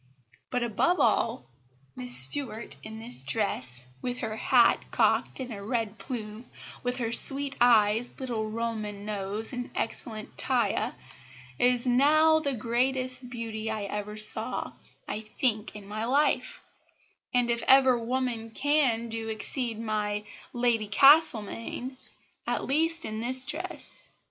But, above all, Mrs Stuart in this dresse, with her hat cocked and a red plume, with her sweet eyes, little Roman nose, and excellent taille, is now the greatest beauty I ever saw, I think, in my life; and, if ever woman can, do exceed my Lady Castlemaine, at least in this dress.